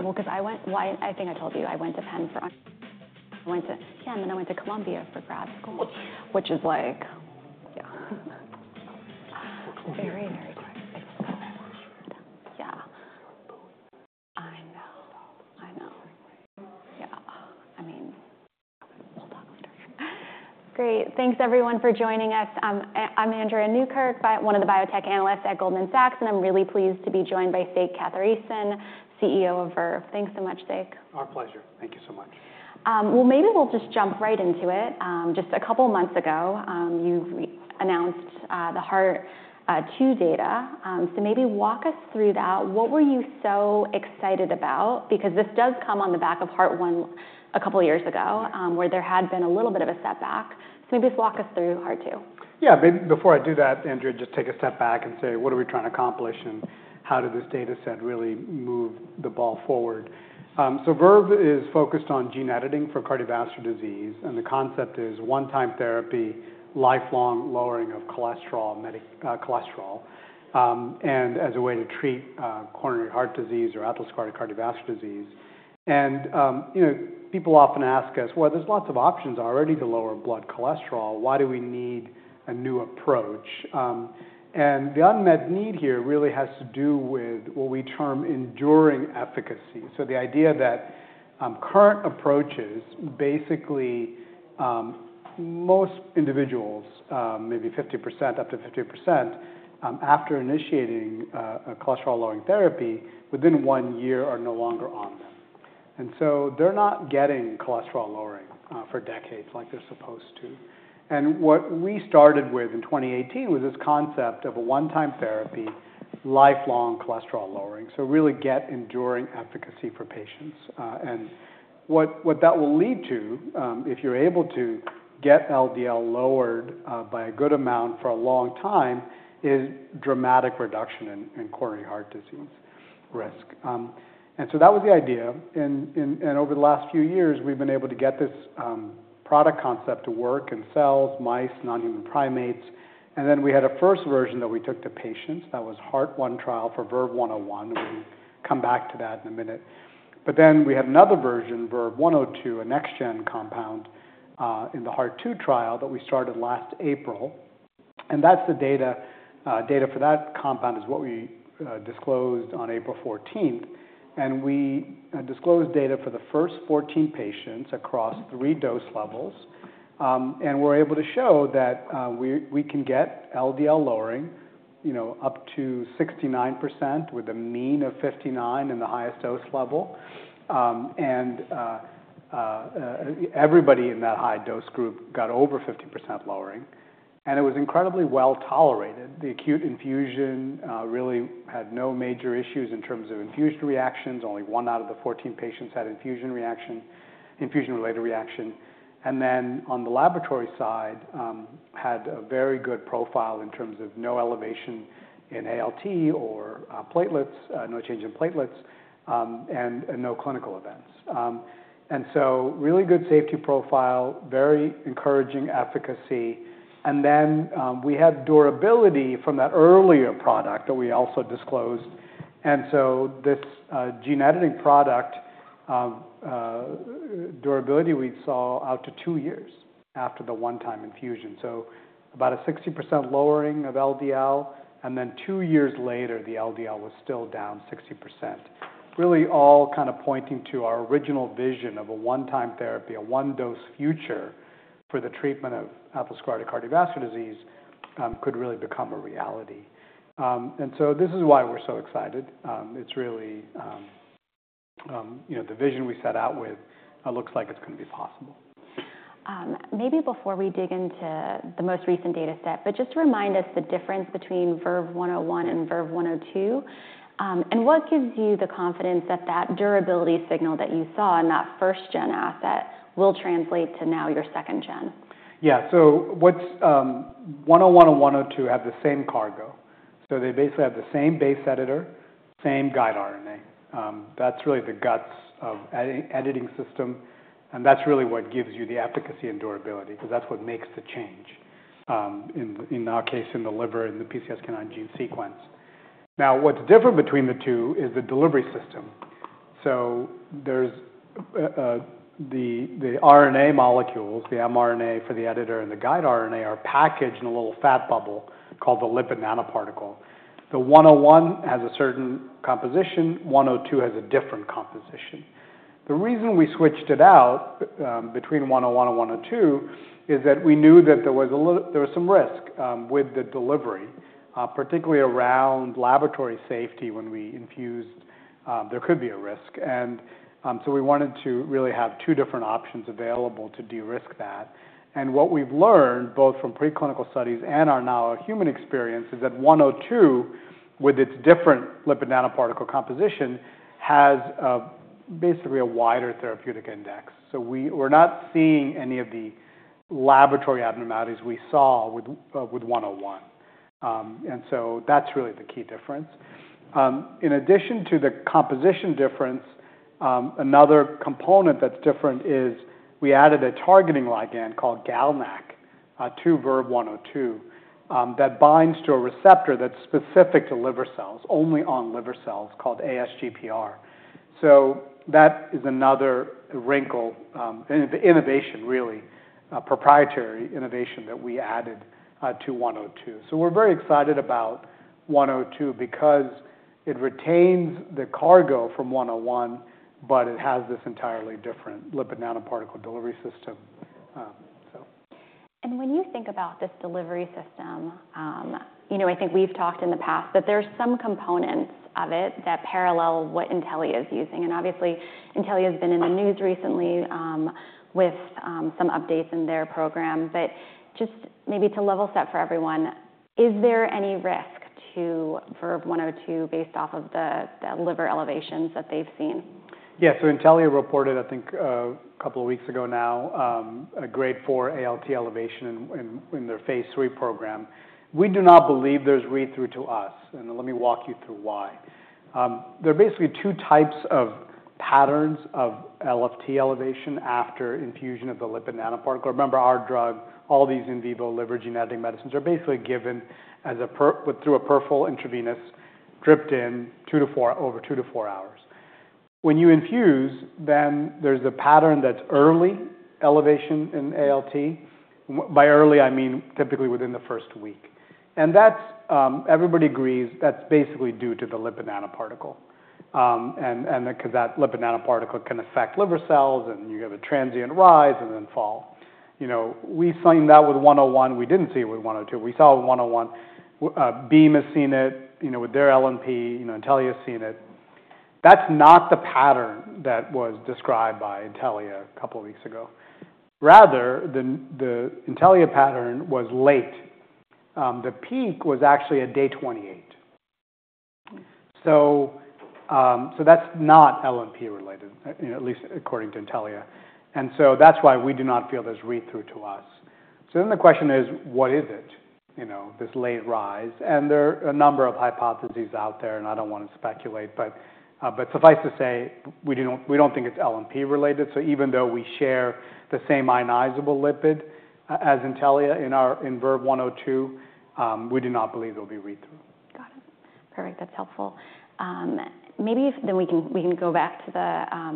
It's been valuable because I went—why I think I told you I went to Penn for—I went to Yemen, I went to Columbia for grad school, which is like, yeah. Very, very good. It's been valuable. Yeah. I know. I know. Yeah. I mean, we'll talk later. Great. Thanks, everyone, for joining us. I'm Andrea Newkirk, one of the biotech analysts at Goldman Sachs, and I'm really pleased to be joined by Sek Kathiresan, CEO of Verve. Thanks so much, Sek. Our pleasure. Thank you so much. Maybe we'll just jump right into it. Just a couple of months ago, you announced the HEART-2 data. Maybe walk us through that. What were you so excited about? Because this does come on the back of HEART-1 a couple of years ago, where there had been a little bit of a setback. Maybe just walk us through HEART-2. Yeah. Maybe before I do that, Andrea, just take a step back and say, what are we trying to accomplish, and how did this data set really move the ball forward? Verve is focused on gene editing for cardiovascular disease, and the concept is one-time therapy, lifelong lowering of cholesterol, as a way to treat coronary heart disease or atherosclerotic cardiovascular disease. People often ask us, well, there are lots of options already to lower blood cholesterol. Why do we need a new approach? The unmet need here really has to do with what we term enduring efficacy. The idea is that with current approaches, basically most individuals, maybe 50%, up to 50%, after initiating a cholesterol-lowering therapy, within one year are no longer on them. They are not getting cholesterol lowering for decades like they are supposed to. What we started with in 2018 was this concept of a one-time therapy, lifelong cholesterol lowering. Really get enduring efficacy for patients. What that will lead to, if you're able to get LDL lowered by a good amount for a long time, is dramatic reduction in coronary heart disease risk. That was the idea. Over the last few years, we've been able to get this product concept to work in cells, mice, non-human primates. We had a first version that we took to patients. That was the HEART-1 trial for VERVE-101. We'll come back to that in a minute. We had another version, VERVE-102, a next-gen compound in the HEART-2 trial that we started last April. The data for that compound is what we disclosed on April 14. We disclosed data for the first 14 patients across three dose levels. We were able to show that we can get LDL lowering up to 69% with a mean of 59% in the highest dose level. Everybody in that high dose group got over 50% lowering. It was incredibly well tolerated. The acute infusion really had no major issues in terms of infusion reactions. Only one out of the 14 patients had an infusion-related reaction. On the laboratory side, it had a very good profile in terms of no elevation in ALT or platelets, no change in platelets, and no clinical events. It was a really good safety profile, very encouraging efficacy. We had durability from that earlier product that we also disclosed. This gene editing product, durability we saw out to two years after the one-time infusion. About a 60% lowering of LDL. Then two years later, the LDL was still down 60%. Really all kind of pointing to our original vision of a one-time therapy, a one-dose future for the treatment of atherosclerotic cardiovascular disease could really become a reality. This is why we're so excited. It's really the vision we set out with looks like it's going to be possible. Maybe before we dig into the most recent data set, just to remind us the difference between VERVE-101 and VERVE-102, and what gives you the confidence that that durability signal that you saw in that first-gen asset will translate to now your second-gen? Yeah. 101 and 102 have the same cargo. They basically have the same base editor, same guide RNA. That is really the guts of an editing system. That is really what gives you the efficacy and durability because that is what makes the change, in our case, in the liver and the PCSK9 gene sequence. What is different between the two is the delivery system. The RNA molecules, the mRNA for the editor and the guide RNA, are packaged in a little fat bubble called the lipid nanoparticle. 101 has a certain composition. 102 has a different composition. The reason we switched it out between 101 and 102 is that we knew that there was some risk with the delivery, particularly around laboratory safety when we infused. There could be a risk. We wanted to really have two different options available to de-risk that. What we've learned, both from preclinical studies and our now human experience, is that 102, with its different lipid nanoparticle composition, has basically a wider therapeutic index. We're not seeing any of the laboratory abnormalities we saw with 101. That's really the key difference. In addition to the composition difference, another component that's different is we added a targeting ligand called GalNAc to VERVE-102 that binds to a receptor that's specific to liver cells, only on liver cells, called ASGPR. That is another wrinkle and innovation, really, proprietary innovation that we added to 102. We're very excited about 102 because it retains the cargo from 101, but it has this entirely different lipid nanoparticle delivery system. When you think about this delivery system, I think we've talked in the past that there's some components of it that parallel what Intellia is using. Obviously, Intellia has been in the news recently with some updates in their program. Just maybe to level set for everyone, is there any risk to VERVE-102 based off of the liver elevations that they've seen? Yeah. Intellia reported, I think, a couple of weeks ago now, a grade 4 ALT elevation in their phase III program. We do not believe there's read-through to us. Let me walk you through why. There are basically two types of patterns of LFT elevation after infusion of the lipid nanoparticle. Remember our drug, all these in vivo liver gene editing medicines are basically given through a peripheral intravenous dripped in over two to four hours. When you infuse, then there's a pattern that's early elevation in ALT. By early, I mean typically within the first week. Everybody agrees that's basically due to the lipid nanoparticle. That lipid nanoparticle can affect liver cells, and you have a transient rise and then fall. We saw that with 101. We didn't see it with 102. We saw with 101. Beam has seen it with their LNP. Intellia has seen it. That's not the pattern that was described by Intellia a couple of weeks ago. Rather, the Intellia pattern was late. The peak was actually at day 28. That is not LNP-related, at least according to Intellia. That is why we do not feel there is read-through to us. The question is, what is it, this late rise? There are a number of hypotheses out there, and I do not want to speculate. Suffice to say, we do not think it is LNP-related. Even though we share the same ionizable lipid as Intellia in VERVE-102, we do not believe there will be read-through. Got it. Perfect. That's helpful. Maybe we can go back to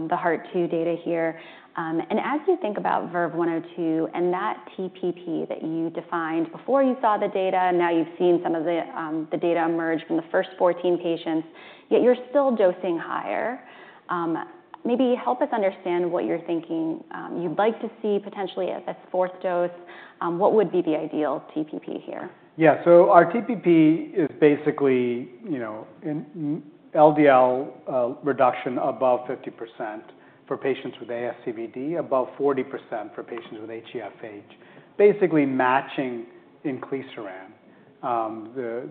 the HEART-2 data here. As you think about VERVE-102 and that TPP that you defined before you saw the data, now you've seen some of the data emerge from the first 14 patients, yet you're still dosing higher. Maybe help us understand what you're thinking you'd like to see potentially at this fourth dose. What would be the ideal TPP here? Yeah. So our TPP is basically LDL reduction above 50% for patients with ASCVD, above 40% for patients with HeFH, basically matching Inclisiran, the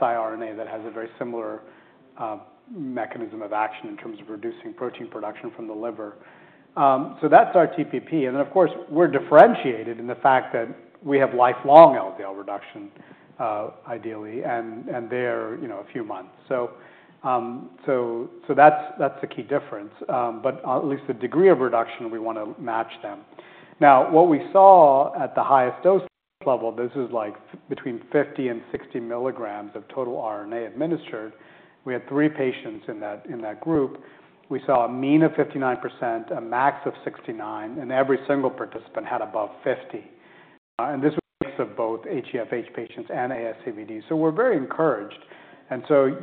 siRNA that has a very similar mechanism of action in terms of reducing protein production from the liver. So that's our TPP. And then, of course, we're differentiated in the fact that we have lifelong LDL reduction, ideally, and they are a few months. That's the key difference. At least the degree of reduction, we want to match them. Now, what we saw at the highest dose level, this is like between 50-60 mg of total RNA administered. We had three patients in that group. We saw a mean of 59%, a max of 69%, and every single participant had above 50%. This was a mix of both HeFH patients and ASCVD. We're very encouraged.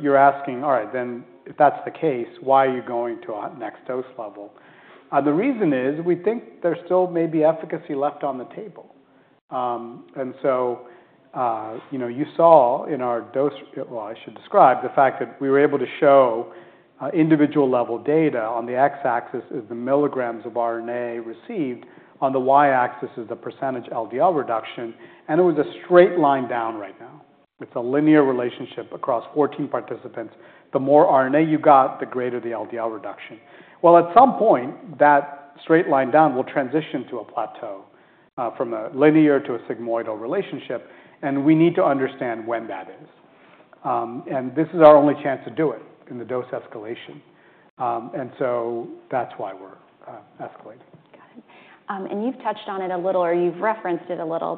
You're asking, all right, then if that's the case, why are you going to a next dose level? The reason is we think there still may be efficacy left on the table. You saw in our dose—well, I should describe the fact that we were able to show individual-level data. On the x-axis is the milligrams of RNA received. On the y-axis is the percentage LDL reduction. It was a straight line down right now. It's a linear relationship across 14 participants. The more RNA you got, the greater the LDL reduction. At some point, that straight line down will transition to a plateau from a linear to a sigmoidal relationship. We need to understand when that is. This is our only chance to do it in the dose escalation. That's why we're escalating. Got it. You have touched on it a little, or you have referenced it a little,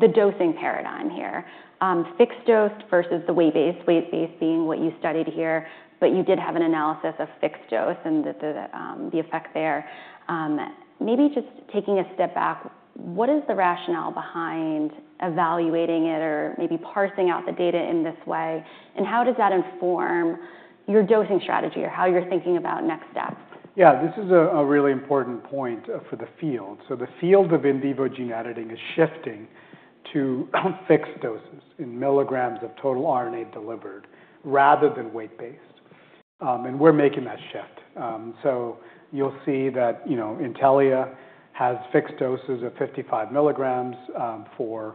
the dosing paradigm here, fixed dose versus the weight-based, weight-based being what you studied here. You did have an analysis of fixed dose and the effect there. Maybe just taking a step back, what is the rationale behind evaluating it or maybe parsing out the data in this way? How does that inform your dosing strategy or how you are thinking about next steps? Yeah. This is a really important point for the field. The field of in vivo gene editing is shifting to fixed doses in milligrams of total RNA delivered rather than weight-based. We're making that shift. You'll see that Intellia has fixed doses of 55 mg for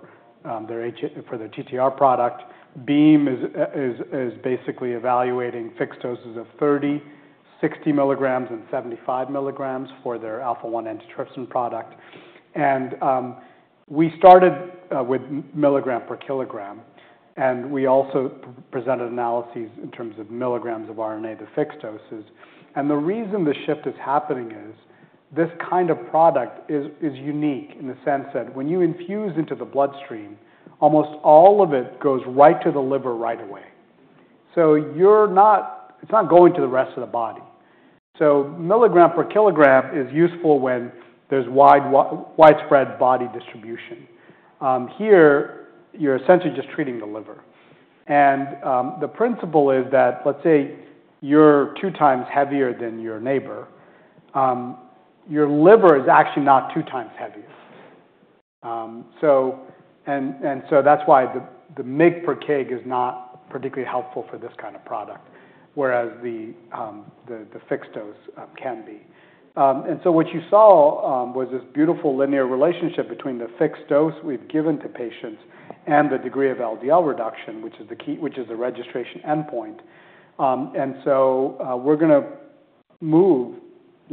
their TTR product. Beam is basically evaluating fixed doses of 30 mg, 60 mg and 75 mg for their alpha-1 antitrypsin product. We started with milligram per kilogram. We also presented analyses in terms of milligrams of RNA, the fixed doses. The reason the shift is happening is this kind of product is unique in the sense that when you infuse into the bloodstream, almost all of it goes right to the liver right away. It's not going to the rest of the body. Milligram per kilogram is useful when there's widespread body distribution. Here, you're essentially just treating the liver. The principle is that, let's say, you're two times heavier than your neighbor, your liver is actually not two times heavier. That is why the mg per kg is not particularly helpful for this kind of product, whereas the fixed dose can be. What you saw was this beautiful linear relationship between the fixed dose we've given to patients and the degree of LDL reduction, which is the registration endpoint. We are going to move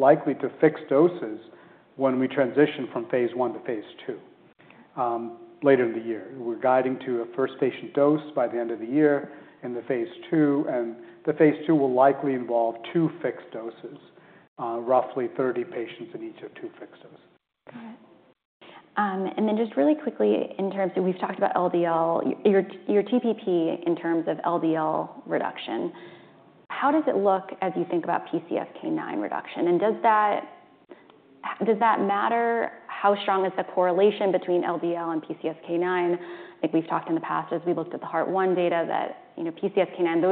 likely to fixed doses when we transition from phase I to phase II later in the year. We are guiding to a first patient dose by the end of the year in the phase II. The phase II will likely involve two fixed doses, roughly 30 patients in each of two fixed doses. Got it. And then just really quickly, in terms of we've talked about LDL, your TPP in terms of LDL reduction, how does it look as you think about PCSK9 reduction? And does that matter? How strong is the correlation between LDL and PCSK9? I think we've talked in the past as we looked at the HEART-1 data that PCSK9,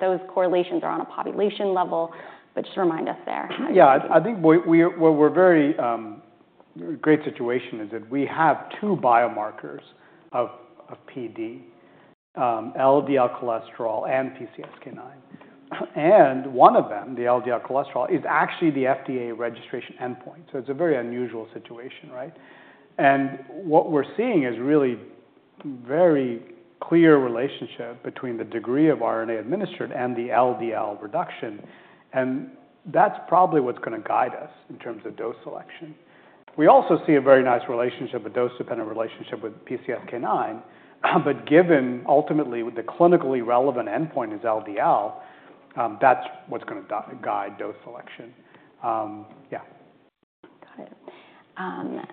those correlations are on a population level. But just remind us there. Yeah. I think what we're very great situation is that we have two biomarkers of PD, LDL cholesterol and PCSK9. And one of them, the LDL cholesterol, is actually the FDA registration endpoint. It is a very unusual situation, right? What we're seeing is really very clear relationship between the degree of RNA administered and the LDL reduction. That's probably what's going to guide us in terms of dose selection. We also see a very nice relationship, a dose-dependent relationship with PCSK9. Given ultimately the clinically relevant endpoint is LDL, that's what's going to guide dose selection. Yeah. Got it.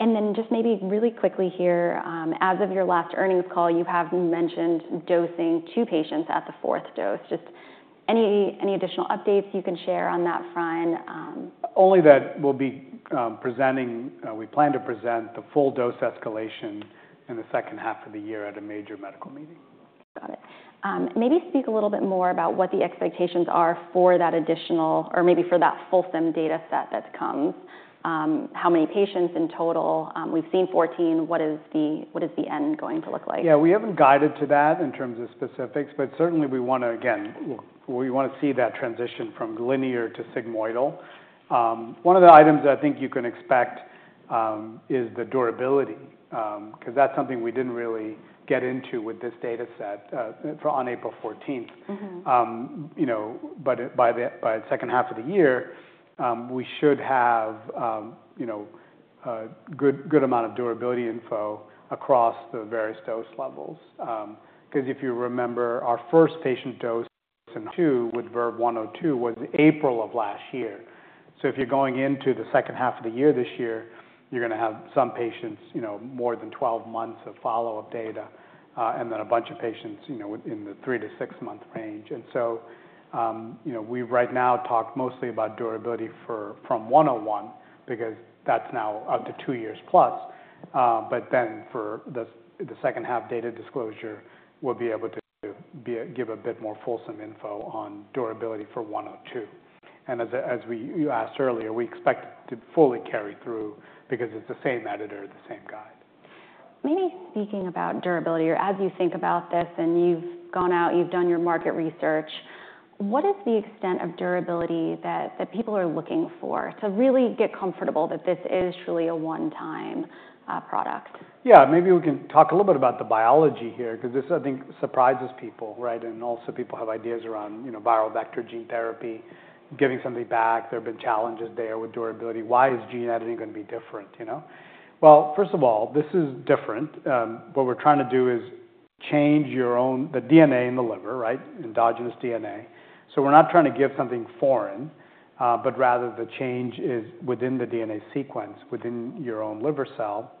And then just maybe really quickly here, as of your last earnings call, you have mentioned dosing two patients at the fourth dose. Just any additional updates you can share on that front? Only that we'll be presenting, we plan to present the full dose escalation in the second half of the year at a major medical meeting. Got it. Maybe speak a little bit more about what the expectations are for that additional or maybe for that fulsome data set that comes, how many patients in total we've seen 14. What is the end going to look like? Yeah. We haven't guided to that in terms of specifics. Certainly, we want to, again, we want to see that transition from linear to sigmoidal. One of the items that I think you can expect is the durability because that's something we didn't really get into with this data set on April 14th. By the second half of the year, we should have a good amount of durability info across the various dose levels. If you remember, our first patient dose in 2022 with VERVE-102 was April of last year. If you're going into the second half of the year this year, you're going to have some patients more than 12 months of follow-up data and then a bunch of patients in the three to six-month range. We have right now talked mostly about durability from 101 because that's now up to two years plus. For the second half data disclosure, we'll be able to give a bit more fulsome info on durability for 102. As you asked earlier, we expect to fully carry through because it's the same editor, the same guide. Maybe speaking about durability or as you think about this and you've gone out, you've done your market research, what is the extent of durability that people are looking for to really get comfortable that this is truly a one-time product? Yeah. Maybe we can talk a little bit about the biology here because this, I think, surprises people, right? Also, people have ideas around viral vector gene therapy, giving something back. There have been challenges there with durability. Why is gene editing going to be different? First of all, this is different. What we're trying to do is change your own DNA in the liver, right, endogenous DNA. We're not trying to give something foreign, but rather the change is within the DNA sequence within your own liver cell.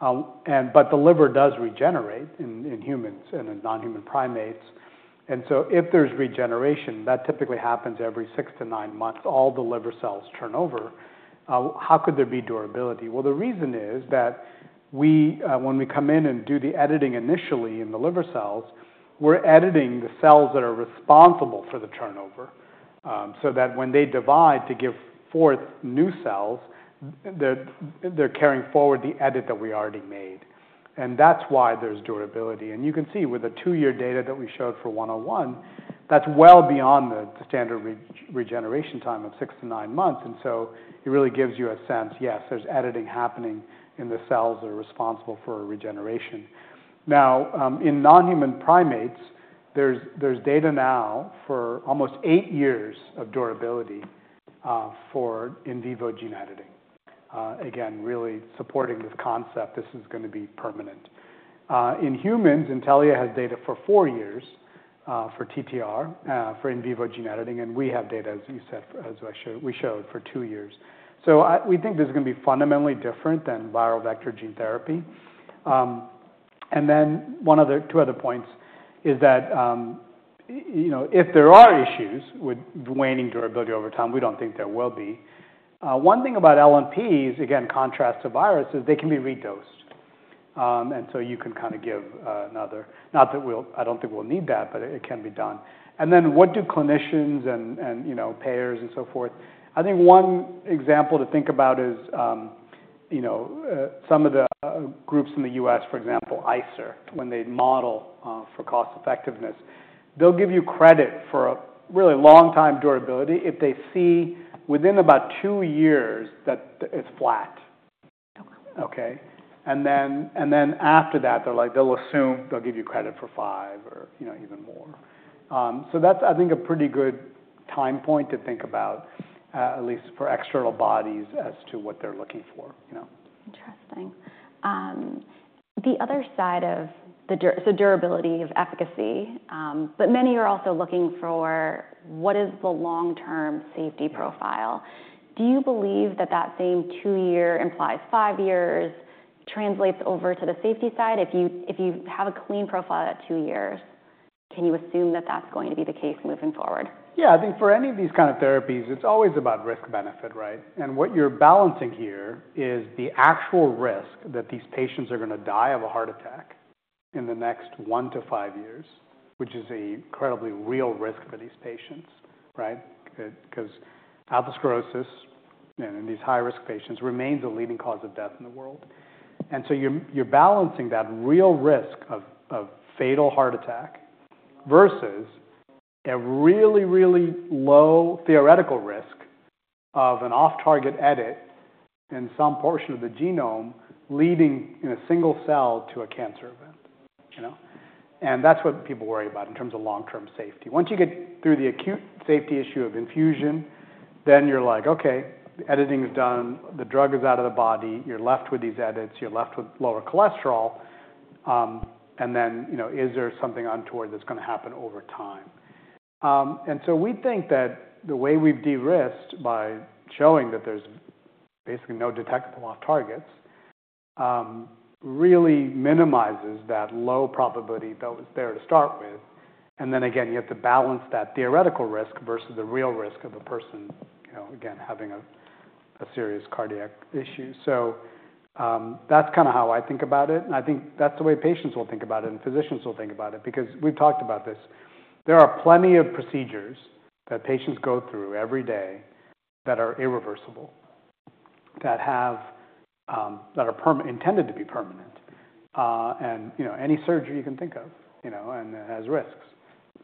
The liver does regenerate in humans and in non-human primates. If there's regeneration, that typically happens every six to nine months, all the liver cells turnover. How could there be durability? The reason is that when we come in and do the editing initially in the liver cells, we're editing the cells that are responsible for the turnover so that when they divide to give forth new cells, they're carrying forward the edit that we already made. That is why there's durability. You can see with the two-year data that we showed for 101, that's well beyond the standard regeneration time of six to nine months. It really gives you a sense, yes, there's editing happening in the cells that are responsible for regeneration. Now, in non-human primates, there's data now for almost eight years of durability for in vivo gene editing, again, really supporting this concept. This is going to be permanent. In humans, Intellia has data for four years for TTR, for in vivo gene editing. We have data, as you said, as we showed, for two years. We think this is going to be fundamentally different than viral vector gene therapy. Two other points are that if there are issues with waning durability over time, we do not think there will be. One thing about LNPs, again, in contrast to viruses, is they can be redosed. You can kind of give another, not that I do not think we will need that, but it can be done. What do clinicians and payers and so forth think? One example to think about is some of the groups in the U.S., for example, ICER. When they model for cost-effectiveness, they will give you credit for a really long time durability if they see within about two years that it is flat. Okay? After that, they'll assume they'll give you credit for five or even more. I think that's a pretty good time point to think about, at least for external bodies as to what they're looking for. Interesting. The other side of the, so durability of efficacy, but many are also looking for what is the long-term safety profile. Do you believe that that same two-year implies five years translates over to the safety side? If you have a clean profile at two years, can you assume that that's going to be the case moving forward? Yeah. I think for any of these kind of therapies, it's always about risk-benefit, right? What you're balancing here is the actual risk that these patients are going to die of a heart attack in the next one to five years, which is an incredibly real risk for these patients, right? Because atherosclerosis in these high-risk patients remains a leading cause of death in the world. You're balancing that real risk of fatal heart attack versus a really, really low theoretical risk of an off-target edit in some portion of the genome leading in a single cell to a cancer event. That's what people worry about in terms of long-term safety. Once you get through the acute safety issue of infusion, then you're like, "Okay, editing is done. The drug is out of the body. You're left with these edits. You're left with lower cholesterol. Is there something untoward that's going to happen over time? We think that the way we've de-risked by showing that there's basically no detectable off-targets really minimizes that low probability that was there to start with. You have to balance that theoretical risk versus the real risk of a person, again, having a serious cardiac issue. That's kind of how I think about it. I think that's the way patients will think about it and physicians will think about it because we've talked about this. There are plenty of procedures that patients go through every day that are irreversible, that are intended to be permanent. Any surgery you can think of has risks,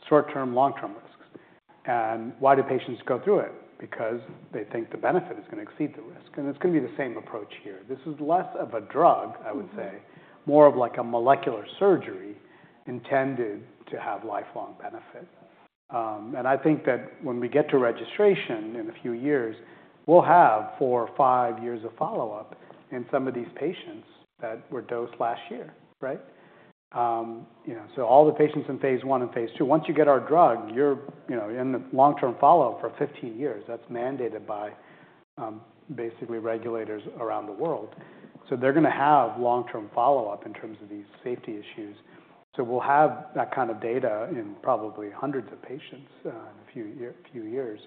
short-term, long-term risks. Why do patients go through it? Because they think the benefit is going to exceed the risk. It's going to be the same approach here. This is less of a drug, I would say, more of like a molecular surgery intended to have lifelong benefit. I think that when we get to registration in a few years, we'll have four or five years of follow-up in some of these patients that were dosed last year, right? All the patients in phase I and phase II, once you get our drug, you're in the long-term follow-up for 15 years. That's mandated by basically regulators around the world. They're going to have long-term follow-up in terms of these safety issues. We'll have that kind of data in probably hundreds of patients in a few years.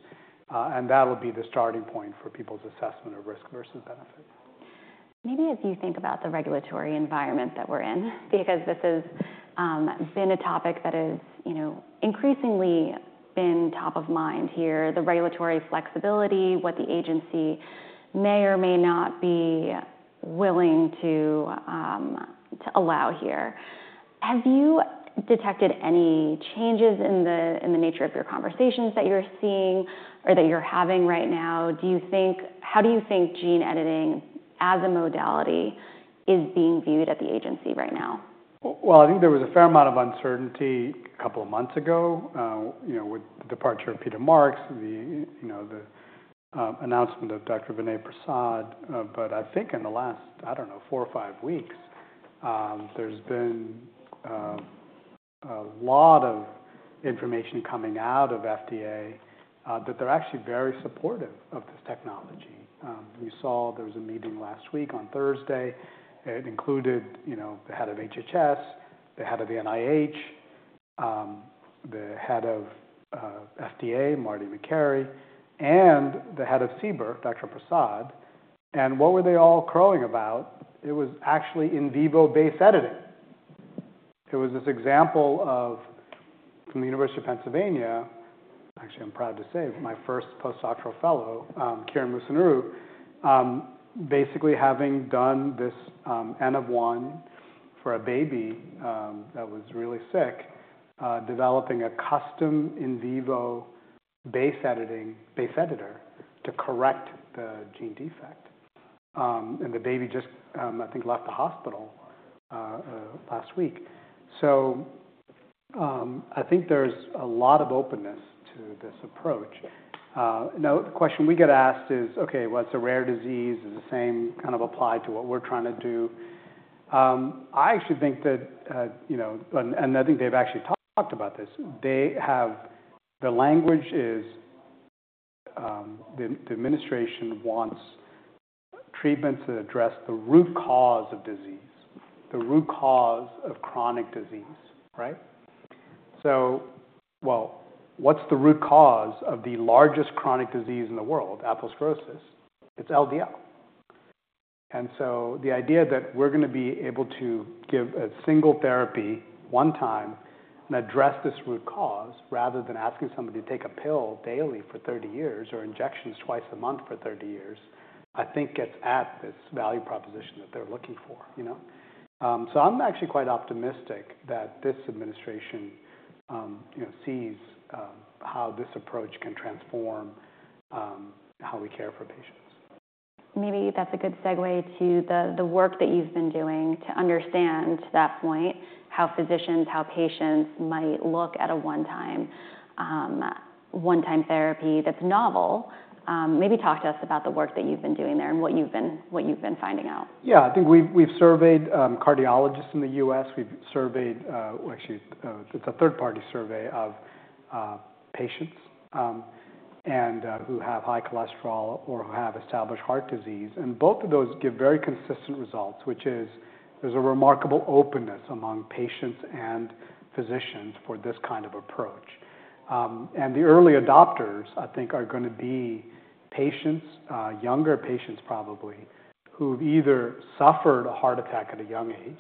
That will be the starting point for people's assessment of risk versus benefit. Maybe as you think about the regulatory environment that we're in, because this has been a topic that has increasingly been top of mind here, the regulatory flexibility, what the agency may or may not be willing to allow here. Have you detected any changes in the nature of your conversations that you're seeing or that you're having right now? Do you think, how do you think gene editing as a modality is being viewed at the agency right now? I think there was a fair amount of uncertainty a couple of months ago with the departure of Peter Marks, the announcement of Dr. Vinay Prasad. I think in the last, I don't know, four or five weeks, there's been a lot of information coming out of FDA that they're actually very supportive of this technology. You saw there was a meeting last week on Thursday. It included the Head of HHS, the Head of the NIH, the Head of FDA, Marty Makary, and the Head of CBER, Dr. Prasad. What were they all crowing about? It was actually in vivo-based editing. It was this example from the University of Pennsylvania, actually, I'm proud to say my first postdoctoral fellow, Kiran Musunuru, basically having done this N of 1 for a baby that was really sick, developing a custom in vivo base editor to correct the gene defect. And the baby just, I think, left the hospital last week. I think there's a lot of openness to this approach. Now, the question we get asked is, "Okay, well, it's a rare disease. Is the same kind of applied to what we're trying to do?" I actually think that, and I think they've actually talked about this. The language is the administration wants treatments that address the root cause of disease, the root cause of chronic disease, right? What's the root cause of the largest chronic disease in the world, atherosclerosis? It's LDL. The idea that we're going to be able to give a single therapy one time and address this root cause rather than asking somebody to take a pill daily for 30 years or injections twice a month for 30 years, I think gets at this value proposition that they're looking for. I'm actually quite optimistic that this administration sees how this approach can transform how we care for patients. Maybe that's a good segue to the work that you've been doing to understand that point, how physicians, how patients might look at a one-time therapy that's novel. Maybe talk to us about the work that you've been doing there and what you've been finding out. Yeah. I think we've surveyed cardiologists in the U.S. We've surveyed actually, it's a third-party survey of patients who have high cholesterol or have established heart disease. Both of those give very consistent results, which is there's a remarkable openness among patients and physicians for this kind of approach. The early adopters, I think, are going to be patients, younger patients probably, who've either suffered a heart attack at a young age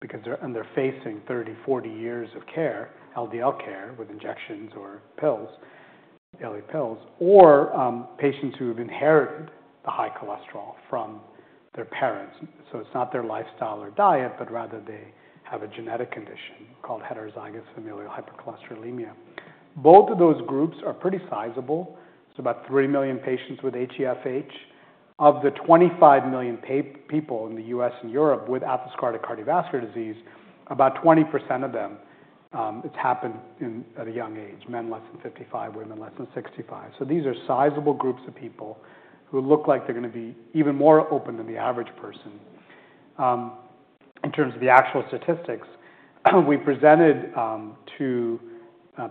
because they're facing 30-40 years of care, LDL care with injections or pills, daily pills, or patients who have inherited the high cholesterol from their parents. It's not their lifestyle or diet, but rather they have a genetic condition called heterozygous familial hypercholesterolemia. Both of those groups are pretty sizable. It's about 3 million patients with HeFH. Of the 25 million people in the U.S. and Europe with atherosclerotic cardiovascular disease, about 20% of them, it has happened at a young age, men less than 55, women less than 65. These are sizable groups of people who look like they are going to be even more open than the average person. In terms of the actual statistics, we presented to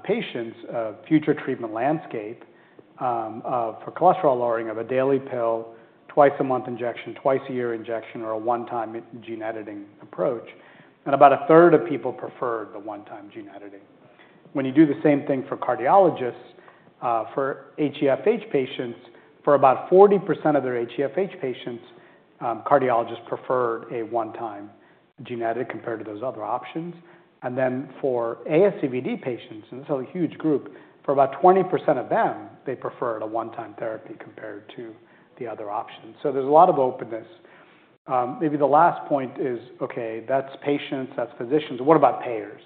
patients a future treatment landscape for cholesterol lowering of a daily pill, twice-a-month injection, twice-a-year injection, or a one-time gene editing approach. About a third of people preferred the one-time gene editing. When you do the same thing for cardiologists, for HeFH patients, for about 40% of their HeFH patients, cardiologists preferred a one-time gene edit compared to those other options. For ASCVD patients, and this is a huge group, for about 20% of them, they preferred a one-time therapy compared to the other options. There is a lot of openness. Maybe the last point is, okay, that's patients, that's physicians. What about payers?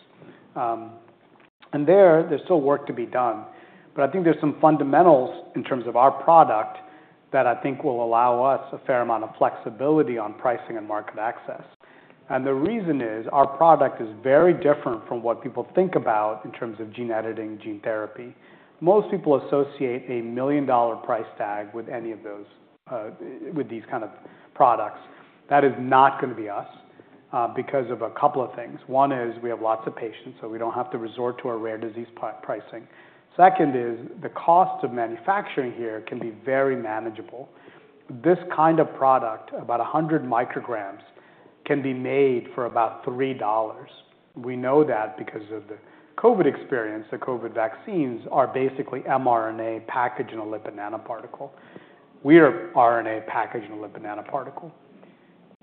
There is still work to be done. I think there are some fundamentals in terms of our product that I think will allow us a fair amount of flexibility on pricing and market access. The reason is our product is very different from what people think about in terms of gene editing, gene therapy. Most people associate a million-dollar price tag with any of those, with these kind of products. That is not going to be us because of a couple of things. One is we have lots of patients, so we do not have to resort to our rare disease pricing. Second is the cost of manufacturing here can be very manageable. This kind of product, about 100 micrograms, can be made for about $3. We know that because of the COVID experience. The COVID vaccines are basically mRNA packaged in a lipid nanoparticle. We are RNA packaged in a lipid nanoparticle.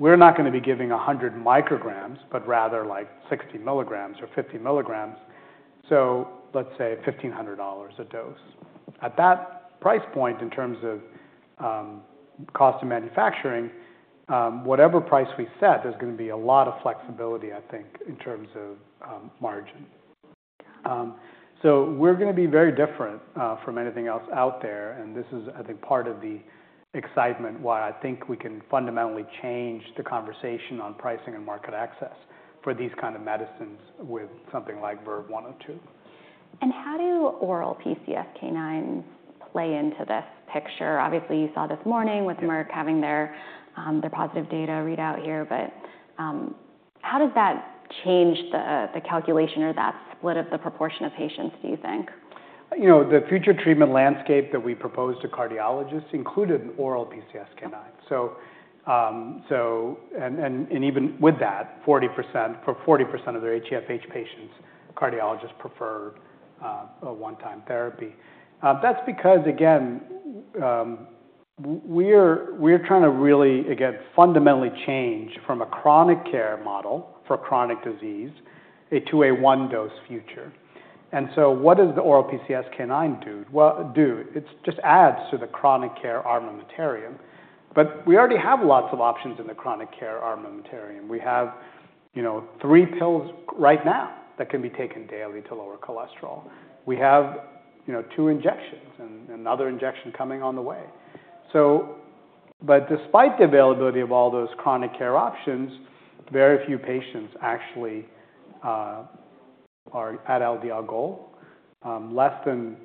We're not going to be giving 100 micrograms, but rather like 60 mg or 50 mg. Let's say $1,500 a dose. At that price point in terms of cost of manufacturing, whatever price we set, there's going to be a lot of flexibility, I think, in terms of margin. We are going to be very different from anything else out there. This is, I think, part of the excitement why I think we can fundamentally change the conversation on pricing and market access for these kind of medicines with something like VERVE-102 How do oral PCSK9 play into this picture? Obviously, you saw this morning with Merck having their positive data readout here. How does that change the calculation or that split of the proportion of patients, do you think? The future treatment landscape that we propose to cardiologists included oral PCSK9. Even with that, for 40% of their HeFH patients, cardiologists prefer a one-time therapy. That's because, again, we're trying to really, again, fundamentally change from a chronic care model for chronic disease to a one-dose future. What does the oral PCSK9 do? It just adds to the chronic care armamentarium. We already have lots of options in the chronic care armamentarium. We have three pills right now that can be taken daily to lower cholesterol. We have two injections and another injection coming on the way. Despite the availability of all those chronic care options, very few patients actually are at LDL goal. Less than,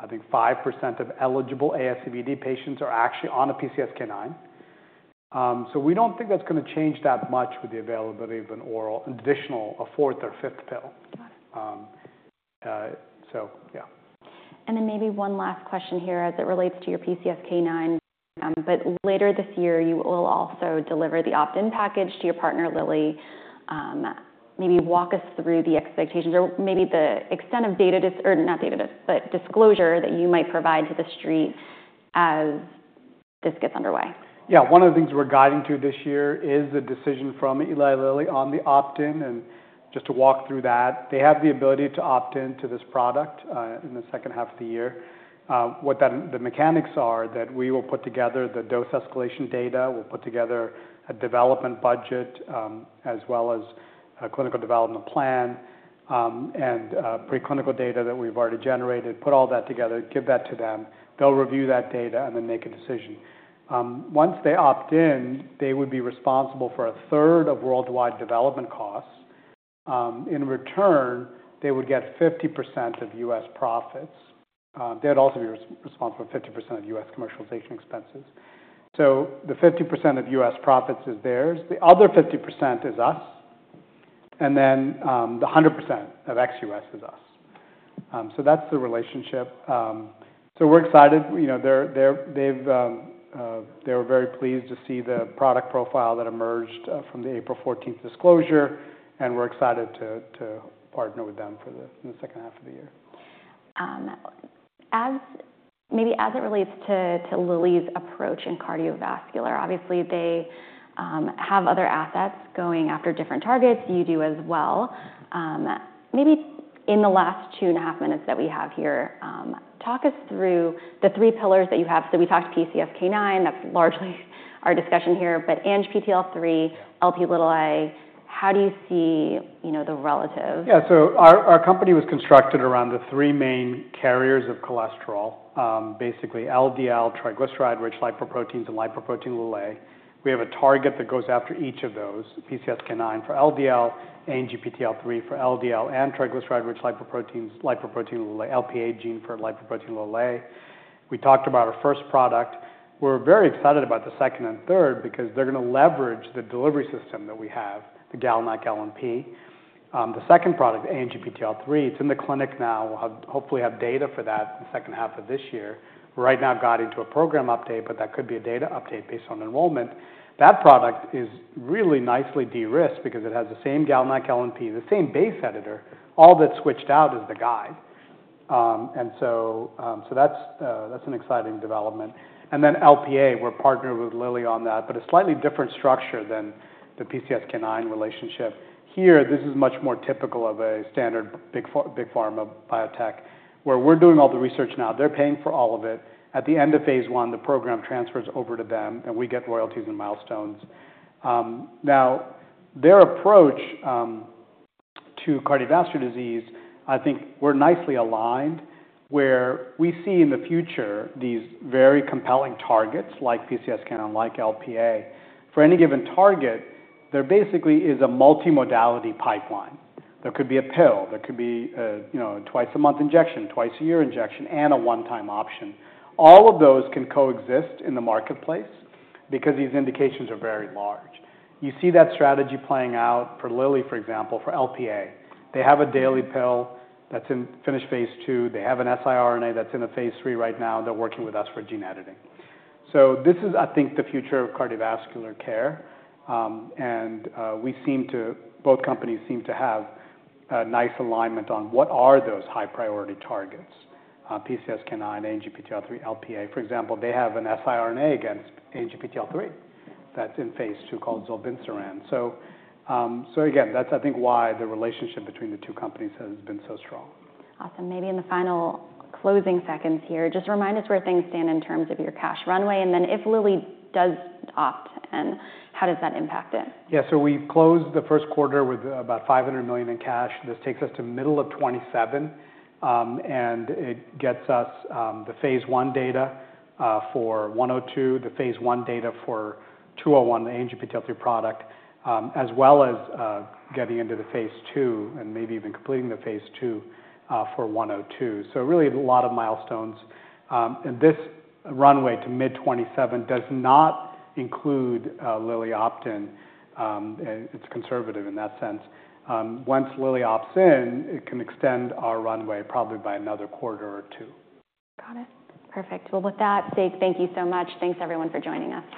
I think, 5% of eligible ASCVD patients are actually on a PCSK9. We do not think that is going to change that much with the availability of an oral additional fourth or fifth pill. Got it. So yeah. Maybe one last question here as it relates to your PCSK9. Later this year, you will also deliver the opt-in package to your partner, Lilly. Maybe walk us through the expectations or maybe the extent of data or not data, but disclosure that you might provide to the street as this gets underway. Yeah. One of the things we're guiding to this year is the decision from Eli Lilly on the opt-in. Just to walk through that, they have the ability to opt in to this product in the second half of the year. What the mechanics are is that we will put together the dose escalation data. We'll put together a development budget as well as a clinical development plan and preclinical data that we've already generated. Put all that together, give that to them. They'll review that data and then make a decision. Once they opt-in, they would be responsible for a third of worldwide development costs. In return, they would get 50% of U.S. profits. They'd also be responsible for 50% of U.S. commercialization expenses. The 50% of U.S. profits is theirs. The other 50% is us. The 100% of ex-U.S. is us. That's the relationship. We're excited. They were very pleased to see the product profile that emerged from the April 14th disclosure. We're excited to partner with them for the second half of the year. Maybe as it relates to Lilly's approach in cardiovascular, obviously, they have other assets going after different targets. You do as well. Maybe in the last two and a half minutes that we have here, talk us through the three pillars that you have. So we talked PCSK9. That's largely our discussion here. But ANGPTL3, LPA, how do you see the relative? Yeah. Our company was constructed around the three main carriers of cholesterol, basically LDL, triglyceride-rich lipoproteins, and lipoprotein(a). We have a target that goes after each of those, PCSK9 for LDL, ANGPTL3 for LDL and triglyceride-rich lipoproteins, lipoprotein(a), LPA gene for lipoprotein(a). We talked about our first product. We're very excited about the second and third because they're going to leverage the delivery system that we have, the GalNAc LNP. The second product, ANGPTL3, it's in the clinic now. We'll hopefully have data for that in the second half of this year. Right now, got into a program update, but that could be a data update based on enrollment. That product is really nicely de-risked because it has the same GalNAc LNP, the same base editor. All that's switched out is the guide. That is an exciting development. LPA, we're partnered with Lilly on that, but a slightly different structure than the PCSK9 relationship. Here, this is much more typical of a standard big pharma biotech where we're doing all the research now. They're paying for all of it. At the end of phase one, the program transfers over to them, and we get royalties and milestones. Now, their approach to cardiovascular disease, I think we're nicely aligned where we see in the future these very compelling targets like PCSK9, like LPA. For any given target, there basically is a multi-modality pipeline. There could be a pill. There could be a twice-a-month injection, twice-a-year injection, and a one-time option. All of those can coexist in the marketplace because these indications are very large. You see that strategy playing out for Lilly, for example, for LPA. They have a daily pill that's in finished phase II. They have an siRNA that's in a phase III right now. They're working with us for gene editing. This is, I think, the future of cardiovascular care. We seem to, both companies seem to have a nice alignment on what are those high-priority targets: PCSK9, ANGPTL3, LPA. For example, they have an siRNA against ANGPTL3 that's in phase II called Zerlasiran. Again, that's, I think, why the relationship between the two companies has been so strong. Awesome. Maybe in the final closing seconds here, just remind us where things stand in terms of your cash runway. If Lilly does opt-in, how does that impact it? Yeah. So we closed the first quarter with about $500 million in cash. This takes us to middle of 2027. It gets us the phase I data for 102, the phase I data for 201, the ANGPTL3 product, as well as getting into the phase II and maybe even completing the phase II for 102. Really a lot of milestones. This runway to mid 2027 does not include Lilly opt-in. It is conservative in that sense. Once Lilly opts in, it can extend our runway probably by another quarter or two. Got it. Perfect. With that, Sek, thank you so much. Thanks, everyone, for joining us.